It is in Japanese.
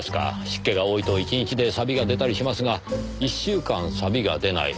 湿気が多いと１日でサビが出たりしますが１週間サビが出ない。